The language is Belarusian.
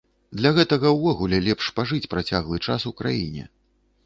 Для гэтага ўвогуле лепш пажыць працяглы час у краіне.